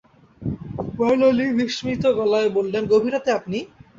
মারলা Lee বিস্মিত গলায় বললেন, গভীর রাতে আপনি?